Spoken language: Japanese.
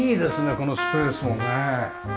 このスペースもね。